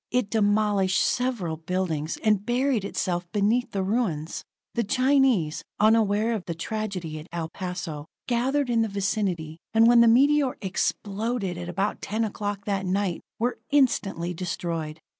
It demolished several buildings, and buried itself beneath the ruins. The Chinese, unaware of the tragedy at El Paso, gathered in the vicinity, and when the meteor exploded at about ten o'clock that night, were instantly destroyed.